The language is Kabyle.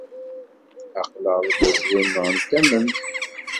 Aql-aɣ deg wayyur-nneɣ n tamemt.